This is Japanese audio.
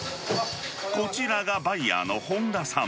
こちらがバイヤーの本田さん。